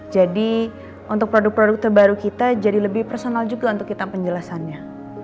jadi untuk produk produk terbaru kita jadi lebih personal juga untuk kita penjelasannya